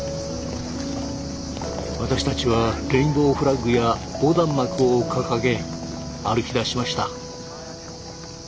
私たちはレインボーフラッグや横断幕を掲げ歩きだしました。